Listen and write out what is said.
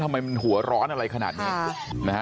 ทำไมมันหัวร้อนอะไรขนาดนี้นะฮะ